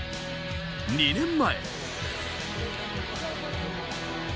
２年前。